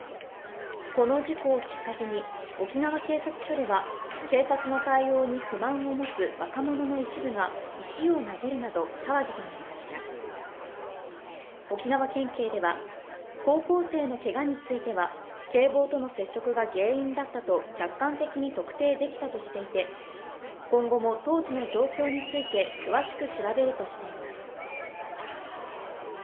この事故をきっかけに沖縄警察署では警察の対応に不満を持つ若者の一部が石を投げるなど騒ぎとなりました沖縄県警では高校生のけがについては警棒との接触が原因だったと客観的に特定できたとしていて今後も当時の状況について詳しく調べるとしています